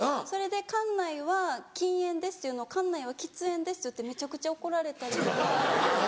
それで「館内は禁煙です」っていうのを「館内は喫煙です」って言ってめちゃくちゃ怒られたりとか。